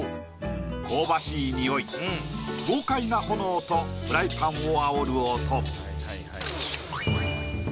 香ばしい匂い豪快な炎とフライパンをあおる音。